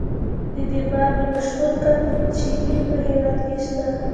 د دې مالګې مشهور کان د چیلي په هیواد کې شته.